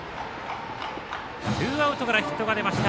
ツーアウトからヒットが出ました。